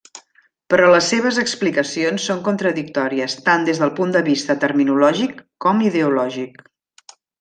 Però les seves explicacions són contradictòries, tant des del punt de vista terminològic com l'ideològic.